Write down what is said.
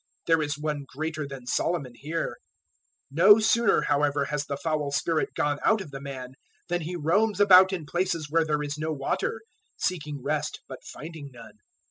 there is One greater than Solomon here. 012:043 "No sooner however has the foul spirit gone out of the man, then he roams about in places where there is no water, seeking rest but finding none.